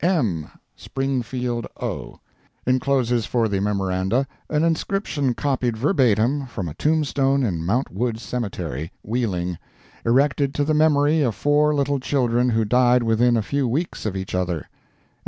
"M." (Springfield, O.) encloses for the Memoranda an inscription copied verbatim from a tombstone in Mount Wood Cemetery, Wheeling, erected to the memory of four little children who died within a few weeks of each other.